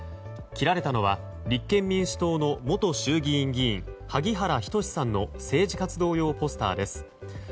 切られたのは立憲民主党の元衆議院議員萩原仁さんの政治活動用ポスターです。